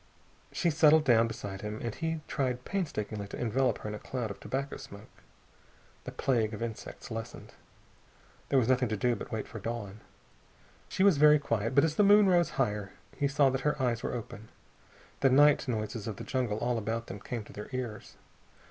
She settled down beside him, and he tried painstakingly to envelope her in a cloud of tobacco smoke. The plague of insects lessened. There was nothing to do but wait for dawn. She was very quiet, but as the moon rose higher he saw that her eyes were open. The night noises of the jungle all about them came to their ears.